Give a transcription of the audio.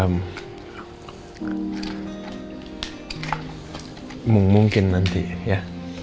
mungkin nanti ya